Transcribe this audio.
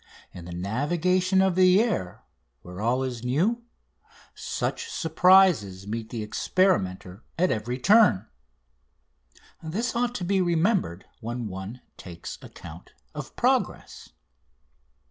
In the navigation of the air, where all is new, such surprises meet the experimenter at every turn. This ought to be remembered when one takes account of progress.